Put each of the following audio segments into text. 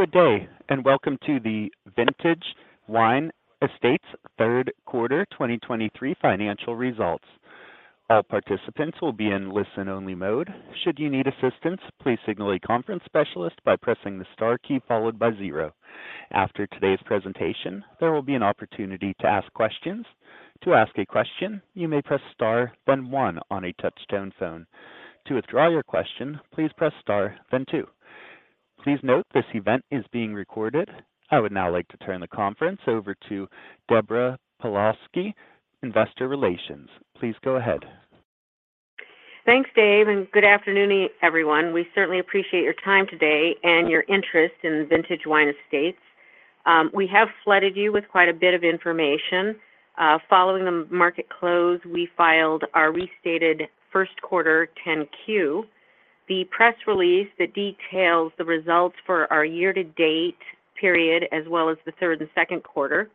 Good day, and welcome to the Vintage Wine Estates Third Quarter 2023 Financial Results. All participants will be in listen-only mode. Should you need assistance, please signal a conference specialist by pressing the star key followed by zero. After today's presentation, there will be an opportunity to ask questions. To ask a question, you may press star then one on a touch-tone phone. To withdraw your question, please press star then two. Please note this event is being recorded. I would now like to turn the conference over to Deborah Pawlowski, Investor Relations. Please go ahead. Thanks, Dave, good afternoon, everyone. We certainly appreciate your time today and your interest in Vintage Wine Estates. We have flooded you with quite a bit of information. Following the market close, we filed our restated first quarter 10-Q, the press release that details the results for our year to date period as well as the third and second quarter,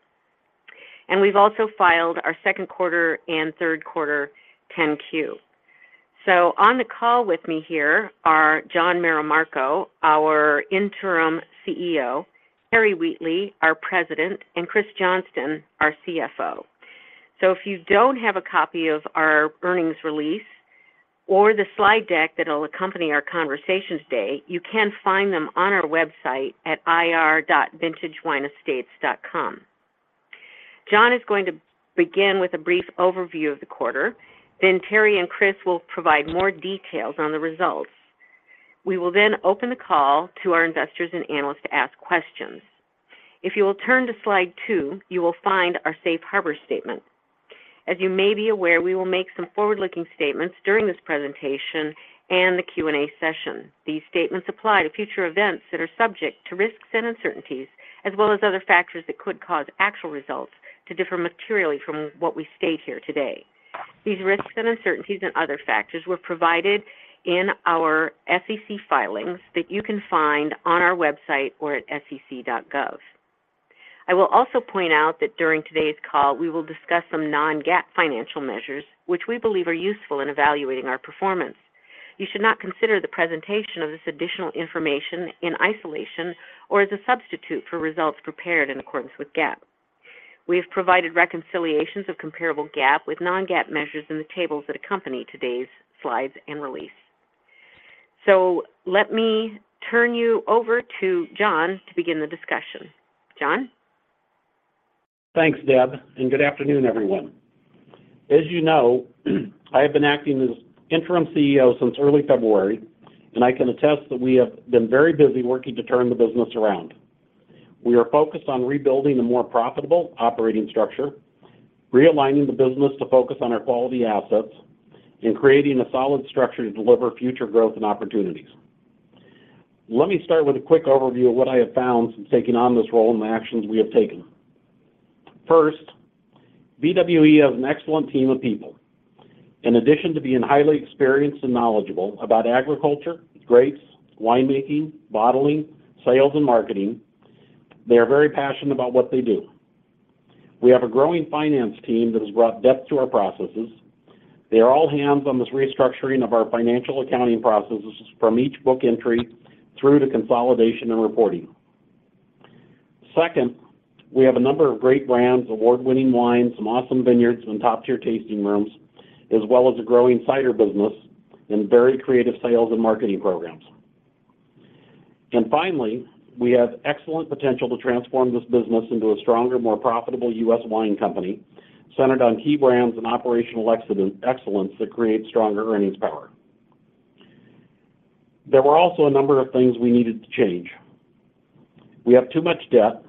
we've also filed our second quarter and third quarter 10-Q. On the call with me here are Jon Moramarco, our interim CEO, Terry Wheatley, our President, and Kris Johnston, our CFO. If you don't have a copy of our earnings release or the slide deck that'll accompany our conversations today, you can find them on our website at ir.vintagewineestates.com. Jon is going to begin with a brief overview of the quarter, Terry and Kris will provide more details on the results. We will then open the call to our investors and analysts to ask questions. If you will turn to Slide Two, you will find our Safe Harbor statement. As you may be aware, we will make some forward-looking statements during this presentation and the Q&A session. These statements apply to future events that are subject to risks and uncertainties, as well as other factors that could cause actual results to differ materially from what we state here today. These risks and uncertainties and other factors were provided in our SEC filings that you can find on our website or at sec.gov. I will also point out that during today's call, we will discuss some non-GAAP financial measures which we believe are useful in evaluating our performance. You should not consider the presentation of this additional information in isolation or as a substitute for results prepared in accordance with GAAP. We have provided reconciliations of comparable GAAP with non-GAAP measures in the tables that accompany today's slides and release. Let me turn you over to Jon to begin the discussion. Jon? Thanks, Deb. Good afternoon, everyone. As you know, I have been acting as nterim CEO since early February. I can attest that we have been very busy working to turn the business around. We are focused on rebuilding a more profitable operating structure, realigning the business to focus on our quality assets, and creating a solid structure to deliver future growth and opportunities. Let me start with a quick overview of what I have found since taking on this role and the actions we have taken. First, VWE has an excellent team of people. In addition to being highly experienced and knowledgeable about agriculture, grapes, winemaking, bottling, sales, and marketing, they are very passionate about what they do. We have a growing finance team that has brought depth to our processes. They are all hands on this restructuring of our financial accounting processes from each book entry through to consolidation and reporting. Second, we have a number of great brands, award-winning wines, some awesome vineyards, some top-tier tasting rooms, as well as a growing cider business and very creative sales and marketing programs. Finally, we have excellent potential to transform this business into a stronger, more profitable U.S. wine company centered on key brands and operational excellence that create stronger earnings power. There were also a number of things we needed to change. We have too much debt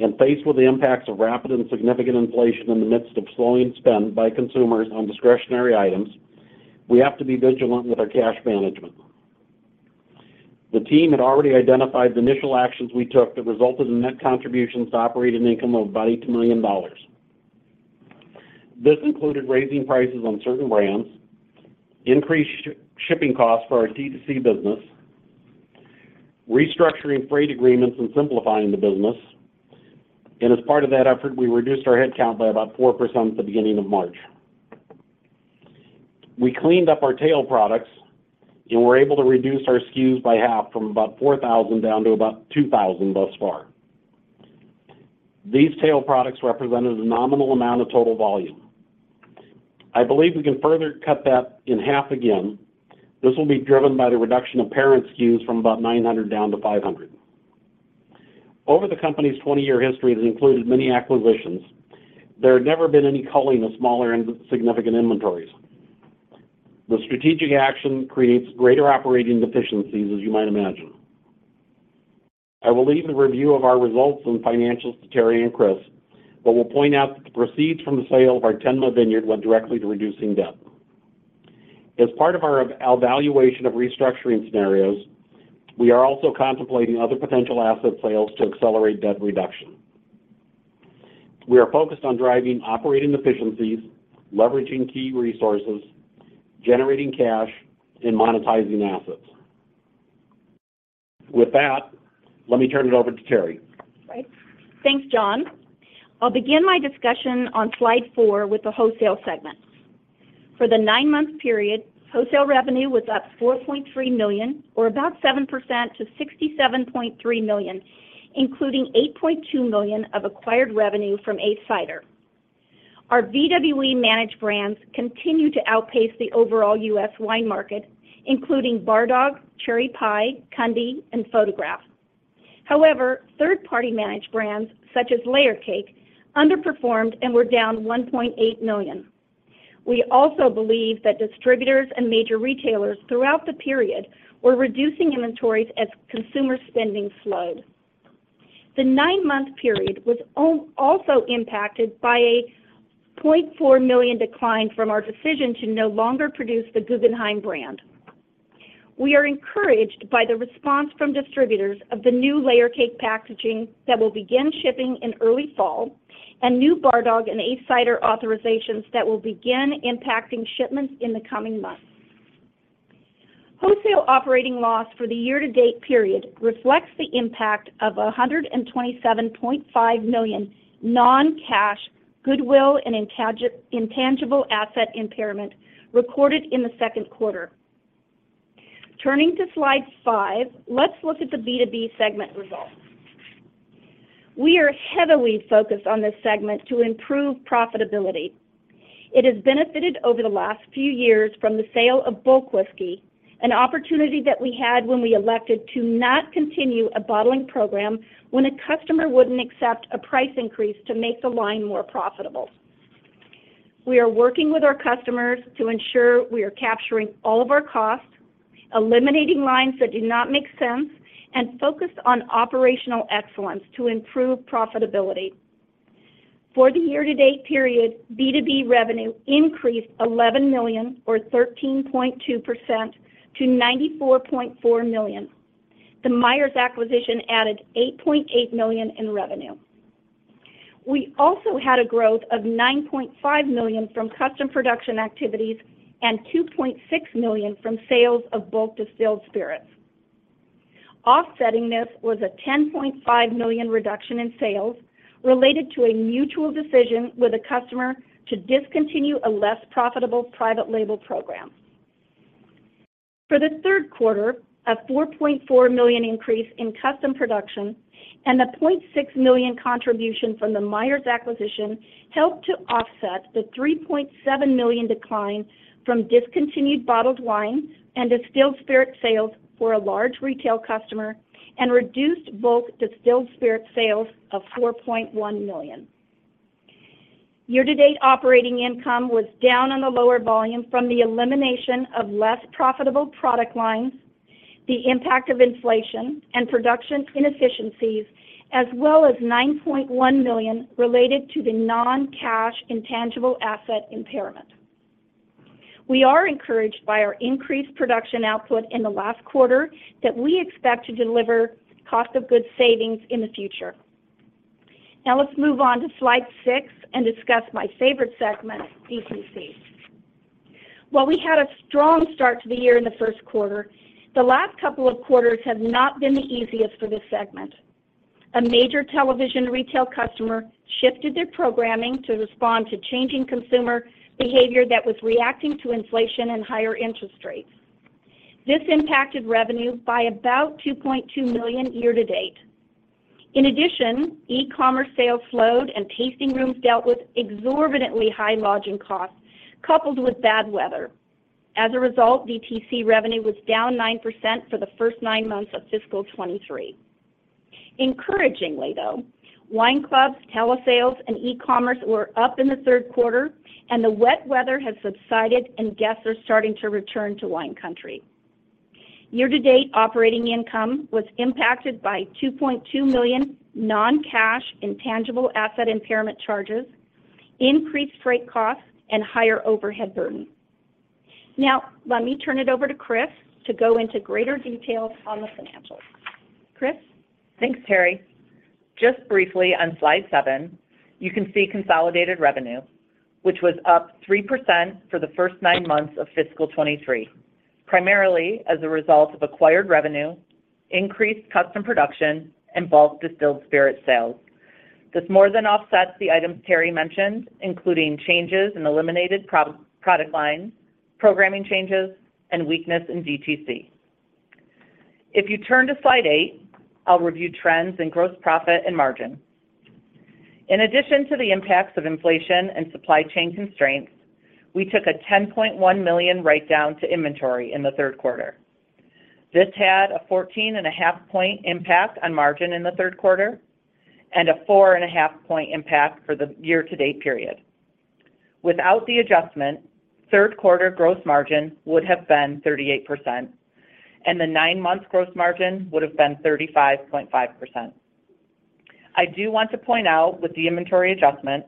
and faced with the impacts of rapid and significant inflation in the midst of slowing spend by consumers on discretionary items, we have to be vigilant with our cash management. The team had already identified the initial actions we took that resulted in net contributions to operating income of about $8 million. This included raising prices on certain brands, increased shipping costs for our D2C business, restructuring freight agreements, and simplifying the business. As part of that effort, we reduced our headcount by about 4% at the beginning of March. We cleaned up our tail products. We're able to reduce our SKUs by half from about 4,000 down to about 2,000 thus far. These tail products represented a nominal amount of total volume. I believe we can further cut that in half again. This will be driven by the reduction of parent SKUs from about 900 down to 500. Over the company's 20-year history that included many acquisitions, there had never been any culling of smaller insignificant inventories. The strategic action creates greater operating deficiencies, as you might imagine. I will leave the review of our results and financials to Terry and Kris, but will point out that the proceeds from the sale of our Ten Mile Vineyard went directly to reducing debt. As part of our evaluation of restructuring scenarios, we are also contemplating other potential asset sales to accelerate debt reduction. We are focused on driving operating efficiencies, leveraging key resources, generating cash, and monetizing assets. Let me turn it over to Terry. Right. Thanks, Jon. I'll begin my discussion on Slide Four with the wholesale segment. For the nine-month period, wholesale revenue was up $4.3 million or about 7% to $67.3 million, including $8.2 million of acquired revenue from ACE Cider. Our VWE managed brands continue to outpace the overall U.S. wine market, including Bar Dog, Cherry Pie, Kunde, and Photograph. Third-party managed brands such as Layer Cake underperformed and were down $1.8 million. We also believe that distributors and major retailers throughout the period were reducing inventories as consumer spending slowed. The nine-month period was also impacted by a $0.4 million decline from our decision to no longer produce the Guggenheim brand. We are encouraged by the response from distributors of the new Layer Cake packaging that will begin shipping in early fall and new Bar Dog and ACE Cider authorizations that will begin impacting shipments in the coming months. Wholesale operating loss for the year-to-date period reflects the impact of a $127.5 million non-cash goodwill and intangible asset impairment recorded in the second quarter. Turning to Slide Five, let's look at the B2B segment results. We are heavily focused on this segment to improve profitability. It has benefited over the last few years from the sale of bulk whiskey, an opportunity that we had when we elected to not continue a bottling program when a customer wouldn't accept a price increase to make the line more profitable. We are working with our customers to ensure we are capturing all of our costs, eliminating lines that do not make sense, and focused on operational excellence to improve profitability. For the year-to-date period, B2B revenue increased $11 million or 13.2% to $94.4 million. The Meier's acquisition added $8.8 million in revenue. We also had a growth of $9.5 million from custom production activities and $2.6 million from sales of bulk distilled spirits. Offsetting this was a $10.5 million reduction in sales related to a mutual decision with a customer to discontinue a less profitable private label program. For the third quarter, a $4.4 million increase in custom production and a $0.6 million contribution from the Meier's acquisition helped to offset the $3.7 million decline from discontinued bottled wine and distilled spirit sales for a large retail customer and reduced bulk distilled spirit sales of $4.1 million. Year-to-date operating income was down on the lower volume from the elimination of less profitable product lines, the impact of inflation and production inefficiencies, as well as $9.1 million related to the non-cash intangible asset impairment. We are encouraged by our increased production output in the last quarter that we expect to deliver cost of goods savings in the future. Let's move on to slide 6 and discuss my favorite segment, DTC. While we had a strong start to the year in the first quarter, the last couple of quarters have not been the easiest for this segment. A major television retail customer shifted their programming to respond to changing consumer behavior that was reacting to inflation and higher interest rates. This impacted revenue by about $2.2 million year-to-date. In addition, e-commerce sales slowed, and tasting rooms dealt with exorbitantly high lodging costs coupled with bad weather. As a result, DTC revenue was down 9% for the first nine months of fiscal 2023. Encouragingly, though, wine clubs, telesales, and e-commerce were up in the third quarter, and the wet weather has subsided and guests are starting to return to wine country. Year to date, operating income was impacted by $2.2 million non-cash intangible asset impairment charges, increased freight costs, and higher overhead burden. Now let me turn it over to Kris to go into greater detail on the financials. Kris? Thanks, Terry. Just briefly on Slide Seven, you can see consolidated revenue, which was up 3% for the first nine months of fiscal 2023, primarily as a result of acquired revenue, increased custom production, and bulk distilled spirit sales. This more than offsets the items Terry mentioned, including changes in eliminated pro-product lines, programming changes, and weakness in DTC. If you turn to Slide Eight, I'll review trends in gross profit and margin. In addition to the impacts of inflation and supply chain constraints, we took a $10.1 million write-down to inventory in the third quarter. This had a 14.5 point impact on margin in the third quarter and a 4.5 point impact for the year-to-date period. Without the adjustment, third quarter gross margin would have been 38%, and the nine-month gross margin would have been 35.5%. I do want to point out with the inventory adjustment,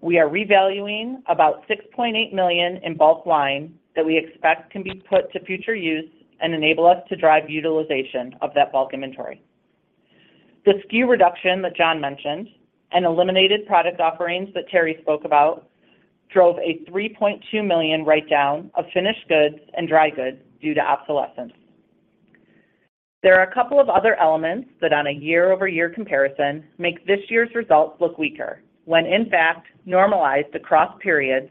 we are revaluing about $6.8 million in bulk wine that we expect can be put to future use and enable us to drive utilization of that bulk inventory. The SKU reduction that Jon mentioned and eliminated product offerings that Terry spoke about drove a $3.2 million write-down of finished goods and dry goods due to obsolescence. There are a couple of other elements that on a year-over-year comparison make this year's results look weaker when, in fact, normalized across periods,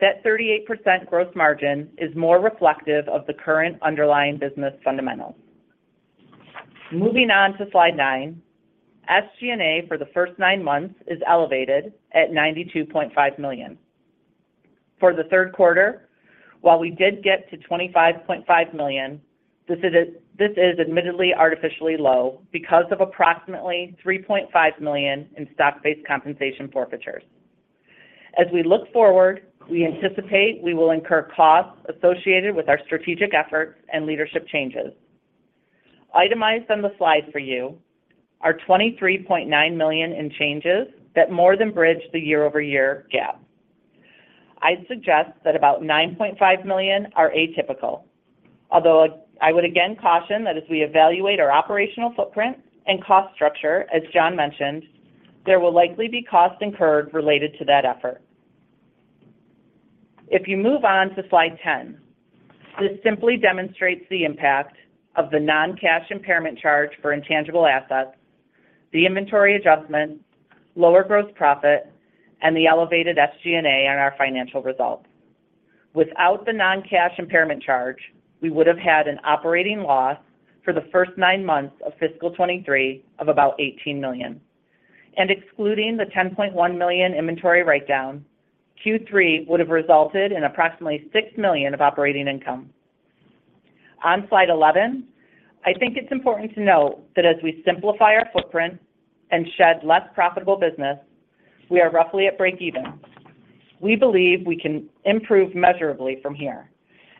that 38% gross margin is more reflective of the current underlying business fundamentals. Moving on to Slide Nine, SG&A for the first nine months is elevated at $92.5 million. For the third quarter, while we did get to $25.5 million, this is admittedly artificially low because of approximately $3.5 million in stock-based compensation forfeitures. As we look forward, we anticipate we will incur costs associated with our strategic efforts and leadership changes. Itemized on the slide for you are $23.9 million in changes that more than bridge the year-over-year gap. I'd suggest that about $9.5 million are atypical, although I would again caution that as we evaluate our operational footprint and cost structure, as Jon mentioned, there will likely be costs incurred related to that effort. If you move on to Slide 10, this simply demonstrates the impact of the non-cash impairment charge for intangible assets, the inventory adjustment, lower gross profit, and the elevated SG&A on our financial results. Without the non-cash impairment charge, we would have had an operating loss for the first nine months of fiscal 2023 of about $18 million. Excluding the $10.1 million inventory write-down, Q3 would have resulted in approximately $6 million of operating income. On Slide 11, I think it's important to note that as we simplify our footprint and shed less profitable business, we are roughly at breakeven. We believe we can improve measurably from here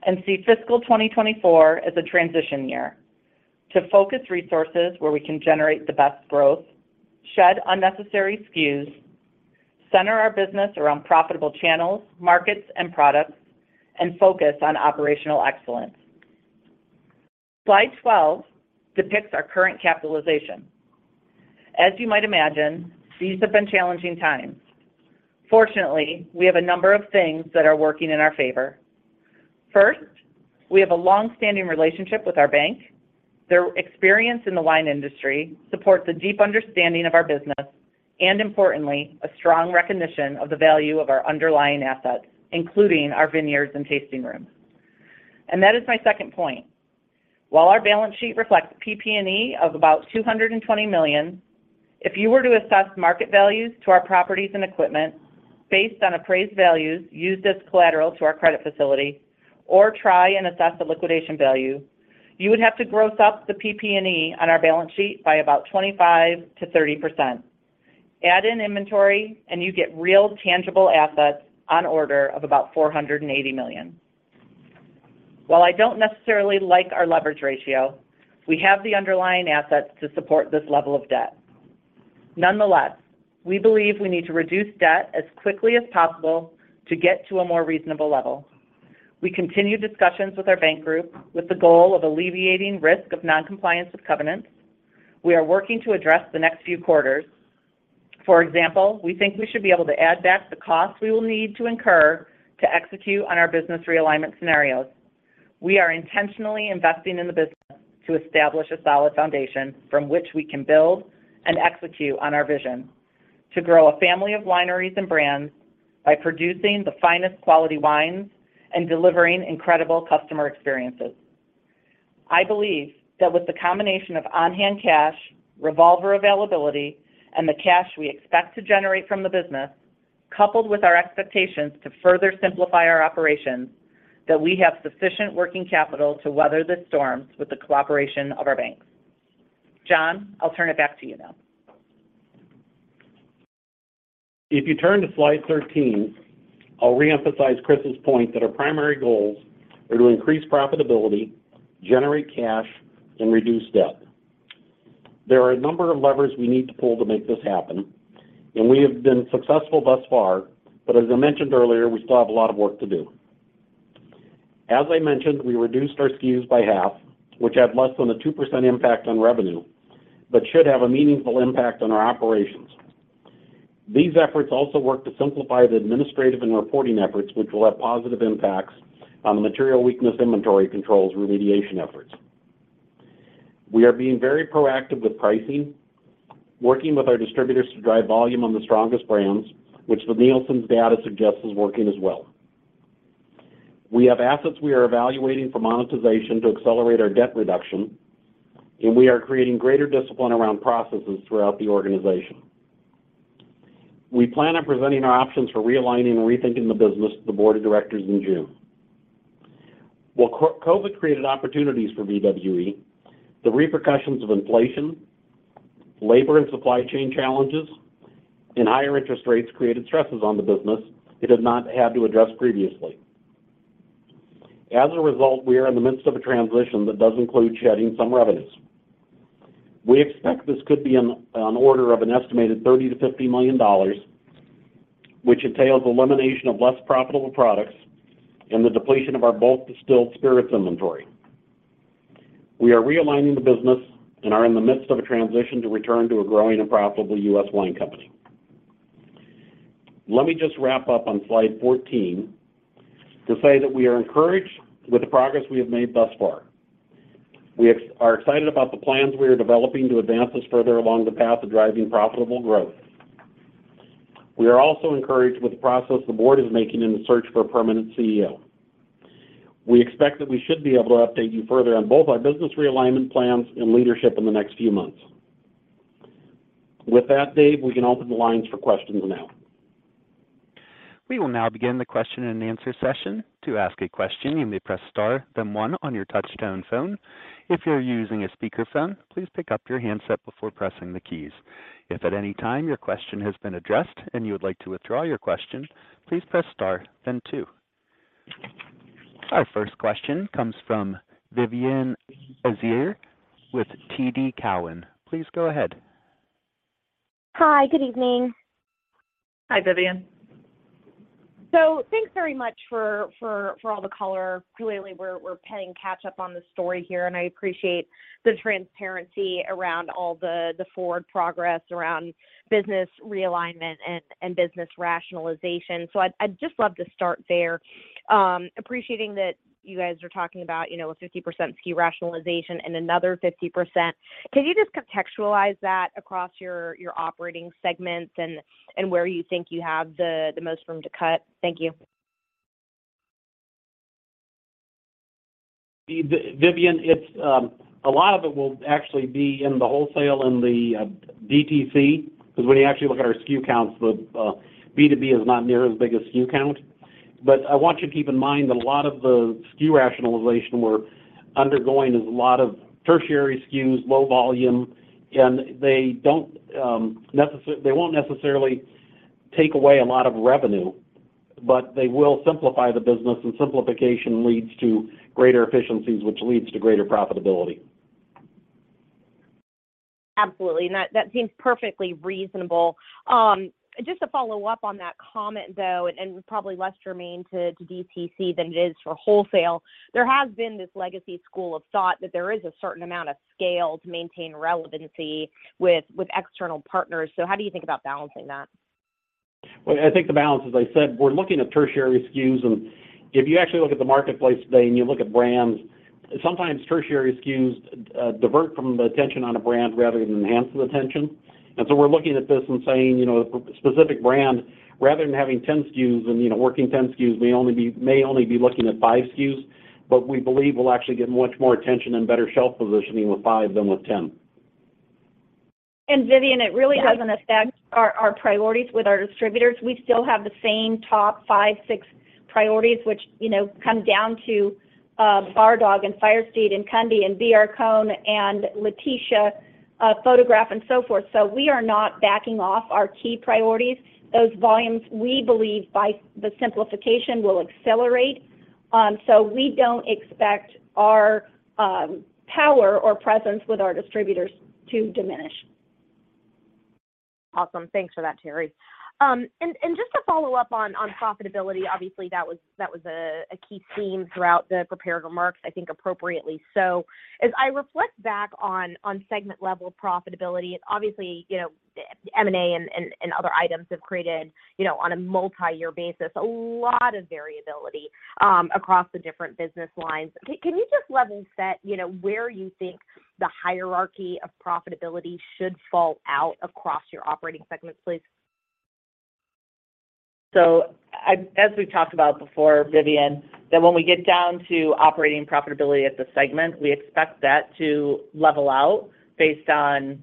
and see fiscal 2024 as a transition year to focus resources where we can generate the best growth, shed unnecessary SKUs, center our business around profitable channels, markets, and products, and focus on operational excellence. Slide 12 depicts our current capitalization. As you might imagine, these have been challenging times. Fortunately, we have a number of things that are working in our favor. First, we have a long-standing relationship with our bank. Their experience in the wine industry supports a deep understanding of our business, importantly, a strong recognition of the value of our underlying assets, including our vineyards and tasting rooms. That is my second point. While our balance sheet reflects PP&E of about $220 million, if you were to assess market values to our properties and equipment based on appraised values used as collateral to our credit facility or try and assess the liquidation value, you would have to gross up the PP&E on our balance sheet by about 25%-30%. Add in inventory, you get real tangible assets on order of about $480 million. While I don't necessarily like our leverage ratio, we have the underlying assets to support this level of debt. Nonetheless, we believe we need to reduce debt as quickly as possible to get to a more reasonable level. We continue discussions with our bank group with the goal of alleviating risk of noncompliance with covenants. We are working to address the next few quarters. For example, we think we should be able to add back the cost we will need to incur to execute on our business realignment scenarios. We are intentionally investing in the business to establish a solid foundation from which we can build and execute on our vision to grow a family of wineries and brands by producing the finest quality wines and delivering incredible customer experiences. I believe that with the combination of on-hand cash, revolver availability, and the cash we expect to generate from the business, coupled with our expectations to further simplify our operations, that we have sufficient working capital to weather this storm with the cooperation of our banks. Jon, I'll turn it back to you now. If you turn to Slide 13, I'll reemphasize Kris's point that our primary goals are to increase profitability, generate cash, and reduce debt. There are a number of levers we need to pull to make this happen, and we have been successful thus far, but as I mentioned earlier, we still have a lot of work to do. As I mentioned, we reduced our SKUs by half, which had less than a 2% impact on revenue, but should have a meaningful impact on our operations. These efforts also work to simplify the administrative and reporting efforts, which will have positive impacts on the material weakness inventory controls remediation efforts. We are being very proactive with pricing, working with our distributors to drive volume on the strongest brands, which the Nielsen's data suggests is working as well. We have assets we are evaluating for monetization to accelerate our debt reduction, and we are creating greater discipline around processes throughout the organization. We plan on presenting our options for realigning and rethinking the business to the board of directors in June. While COVID created opportunities for VWE, the repercussions of inflation, labor and supply chain challenges, and higher interest rates created stresses on the business it has not had to address previously. As a result, we are in the midst of a transition that does include shedding some revenues. We expect this could be an order of an estimated $30 million-$50 million, which entails elimination of less profitable products and the depletion of our bulk distilled spirits inventory. We are realigning the business and are in the midst of a transition to return to a growing and profitable U.S. wine company. Let me just wrap up on Slide 14 to say that we are encouraged with the progress we have made thus far. We are excited about the plans we are developing to advance us further along the path of driving profitable growth. We are also encouraged with the progress the board is making in the search for a permanent CEO. We expect that we should be able to update you further on both our business realignment plans and leadership in the next few months. With that, Dave, we can open the lines for questions now. We will now begin the question-and-answer session. To ask a question, you may press star, then one on your touchtone phone. If you're using a speakerphone, please pick up your handset before pressing the keys. If at any time your question has been addressed and you would like to withdraw your question, please press star, then two. Our first question comes from Vivien Azer with TD Cowen. Please go ahead. Hi. Good evening. Hi, Vivien. Thanks very much for all the color. Clearly, we're playing catch up on the story here, and I appreciate the transparency around all the forward progress around business realignment and business rationalization. I'd just love to start there. Appreciating that you guys are talking about, you know, a 50% SKU rationalization and another 50%, can you just contextualize that across your operating segments and where you think you have the most room to cut? Thank you. Vivien, it's actually a lot of it will actually be in the wholesale and the DTC, 'cause when you actually look at our SKU counts, the B2B is not near as big a SKU count. I want you to keep in mind that a lot of the SKU rationalization we're undergoing is a lot of tertiary SKUs, low volume, and they don't they won't necessarily take away a lot of revenue, but they will simplify the business, and simplification leads to greater efficiencies, which leads to greater profitability. Absolutely. That seems perfectly reasonable. Just to follow up on that comment, though, and probably less germane to DTC than it is for wholesale, there has been this legacy school of thought that there is a certain amount of scale to maintain relevancy with external partners. How do you think about balancing that? Well, I think the balance, as I said, we're looking at tertiary SKUs. If you actually look at the marketplace today and you look at brands, sometimes tertiary SKUs divert from the attention on a brand rather than enhance the attention. We're looking at this and saying, you know, a specific brand, rather than having 10 SKUs and, you know, working 10 SKUs, may only be looking at 5 SKUs. We believe we'll actually get much more attention and better shelf positioning with 5 SKUs than with 10 SKUs. Vivien, it really doesn't affect our priorities with our distributors. We still have the same top five, six priorities, which, you know, come down to Bar Dog and Firesteed and Kunde and B.R. Cohn and Laetitia, Photograph and so forth. We are not backing off our key priorities. Those volumes, we believe by the simplification, will accelerate. We don't expect our power or presence with our distributors to diminish. Awesome. Thanks for that, Terry. Just to follow up on profitability, obviously that was a key theme throughout the prepared remarks, I think appropriately so. As I reflect back on segment-level profitability, obviously, you know, M&A and other items have created, you know, on a multiyear basis, a lot of variability across the different business lines. Can you just level set, you know, where you think the hierarchy of profitability should fall out across your operating segments, please? As we've talked about before, Vivien, that when we get down to operating profitability at the segment, we expect that to level out based on,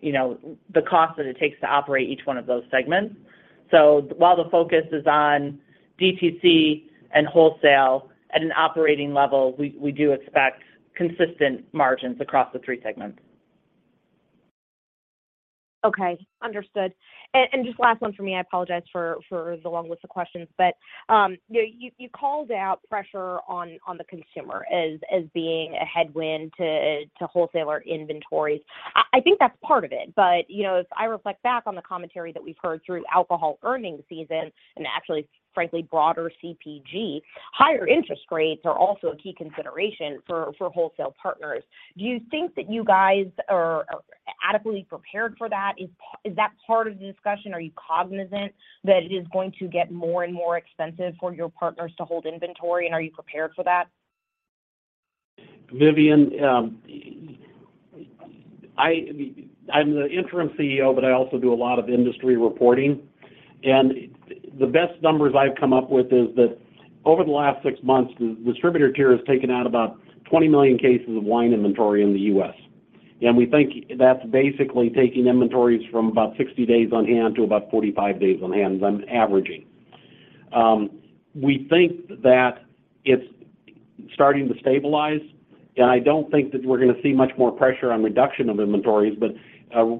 you know, the cost that it takes to operate each one of those segments. While the focus is on DTC and wholesale at an operating level, we do expect consistent margins across the three segments. Okay. Understood. Just last one for me. I apologize for the long list of questions. You called out pressure on the consumer as being a headwind to wholesaler inventories. I think that's part of it. You know, as I reflect back on the commentary that we've heard through alcohol earnings season and actually, frankly, broader CPG, higher interest rates are also a key consideration for wholesale partners. Do you think that you guys are adequately prepared for that? Is that part of the discussion? Are you cognizant that it is going to get more and more expensive for your partners to hold inventory, and are you prepared for that? Vivien, I'm the interim CEO, but I also do a lot of industry reporting. The best numbers I've come up with is that over the last six months, the distributor tier has taken out about 20 million cases of wine inventory in the U.S. We think that's basically taking inventories from about 60 days on hand to about 45 days on hand on averaging. We think that it's starting to stabilize, and I don't think that we're gonna see much more pressure on reduction of inventories, but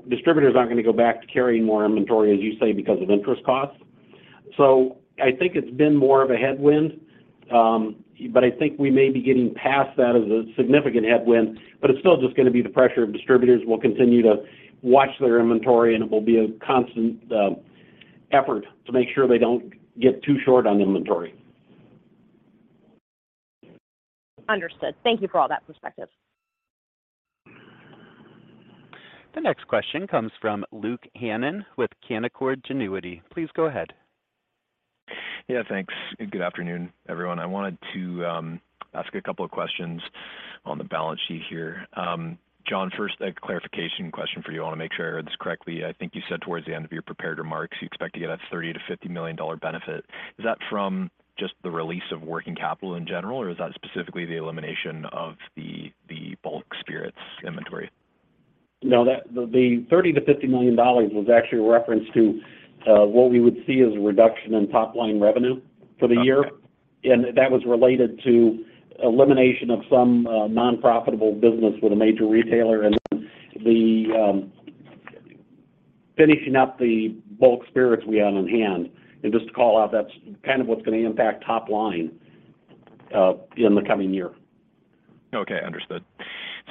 distributors aren't gonna go back to carrying more inventory, as you say, because of interest costs. I think it's been more of a headwind, but I think we may be getting past that as a significant headwind, but it's still just gonna be the pressure of distributors will continue to watch their inventory, and it will be a constant effort to make sure they don't get too short on inventory. Understood. Thank you for all that perspective. The next question comes from Luke Hannan with Canaccord Genuity. Please go ahead. Yeah, thanks. Good afternoon, everyone. I wanted to ask a couple of questions on the balance sheet here. Jon, first a clarification question for you. I wanna make sure I heard this correctly. I think you said towards the end of your prepared remarks, you expect to get a $30 million-$50 million benefit. Is that from just the release of working capital in general, or is that specifically the elimination of the bulk spirits inventory? No. The $30 million-$50 million was actually a reference to what we would see as a reduction in top-line revenue for the year. Okay. That was related to elimination of some non-profitable business with a major retailer and the finishing up the bulk spirits we had on hand. Just to call out, that's kind of what's gonna impact top line in the coming year. Okay, understood.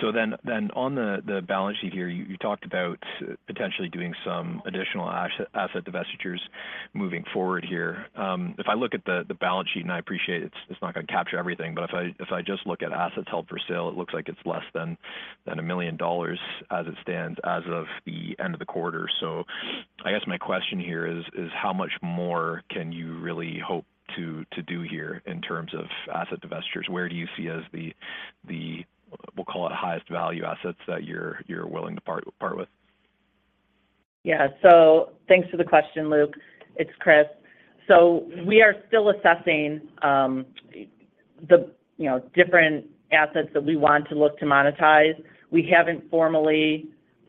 Then on the balance sheet here, you talked about potentially doing some additional asset divestitures moving forward here. If I look at the balance sheet, and I appreciate it's not gonna capture everything. If I just look at assets held for sale, it looks like it's less than $1 million as it stands as of the end of the quarter. I guess my question here is how much more can you really hope to do here in terms of asset divestitures? Where do you see as the, we'll call it, highest value assets that you're willing to part with? Yeah. Thanks for the question, Luke. It's Kris. We are still assessing, the, you know, different assets that we want to look to monetize. We haven't formally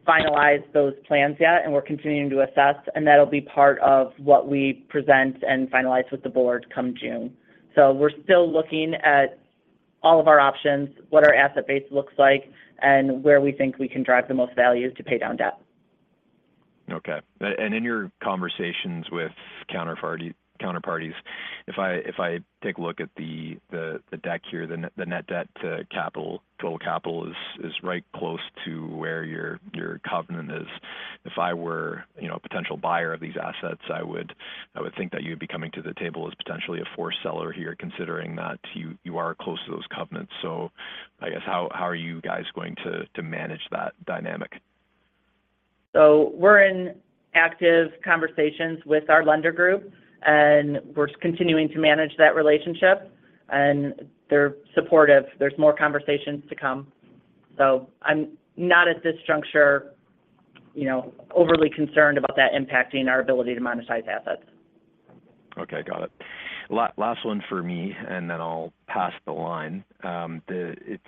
finalized those plans yet, and we're continuing to assess, and that'll be part of what we present and finalize with the board come June. We're still looking at all of our options, what our asset base looks like, and where we think we can drive the most value to pay down debt. Okay. And in your conversations with counterparty, counterparties, if I take a look at the deck here, the net debt to capital, total capital is right close to where your covenant is. If I were, you know, a potential buyer of these assets, I would think that you'd be coming to the table as potentially a forced seller here, considering that you are close to those covenants. I guess, how are you guys going to manage that dynamic? We're in active conversations with our lender group, and we're continuing to manage that relationship, and they're supportive. There's more conversations to come. I'm not at this juncture, you know, overly concerned about that impacting our ability to monetize assets. Okay, got it. Last one for me, and then I'll pass the line. It's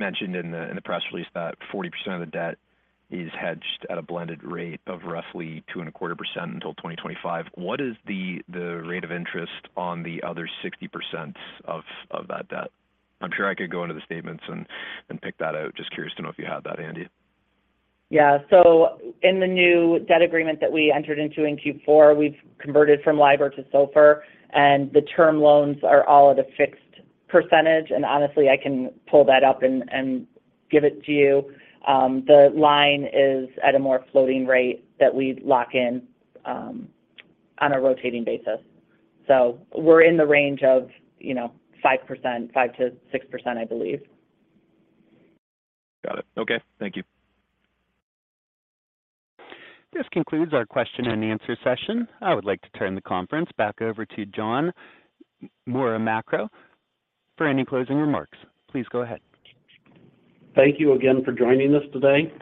mentioned in the press release that 40% of the debt is hedged at a blended rate of roughly 2.25% until 2025. What is the rate of interest on the other 60% of that debt? I'm sure I could go into the statements and pick that out. Just curious to know if you have that handy. Yeah. In the new debt agreement that we entered into in Q4, we've converted from LIBOR to SOFR. The term loans are all at a fixed percentage. Honestly, I can pull that up and give it to you. The line is at a more floating rate that we lock in on a rotating basis. We're in the range of, you know, 5%, 5%-6%, I believe. Got it. Okay, thank you. This concludes our question and answer session. I would like to turn the conference back over to Jon Moramarco for any closing remarks. Please go ahead. Thank you again for joining us today.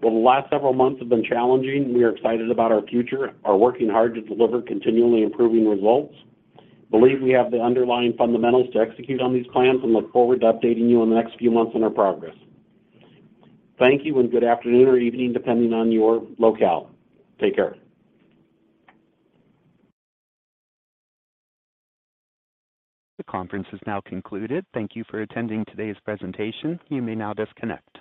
While the last several months have been challenging, we are excited about our future, are working hard to deliver continually improving results. Believe we have the underlying fundamentals to execute on these plans and look forward to updating you in the next few months on our progress. Thank you and good afternoon or evening, depending on your locale. Take care. The conference is now concluded. Thank you for attending today's presentation. You may now disconnect.